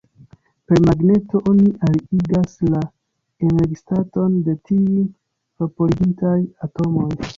Per magneto oni aliigas la energistaton de tiuj vaporiĝintaj atomoj.